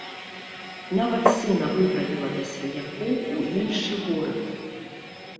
Нават сына выправіла да сваякоў у іншы горад.